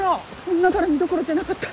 女絡みどころじゃなかった。